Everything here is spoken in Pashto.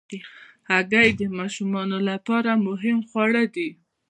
هګۍ د ماشومانو لپاره مهم خواړه دي.